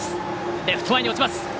レフト前に落ちます。